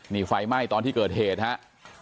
นี่ไฟไหม้ตอนที่เกิดเหตุครับ